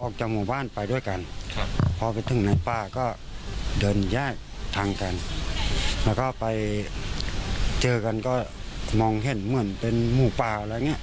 ออกจากหมู่บ้านไปด้วยกันพอไปถึงในป่าก็เดินแยกทางกันแล้วก็ไปเจอกันก็มองเห็นเหมือนเป็นหมูป่าอะไรอย่างนี้